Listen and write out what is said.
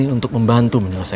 aku kerja buat keluarga